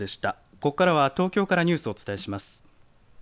ここからは東京からニュースをお伝えします。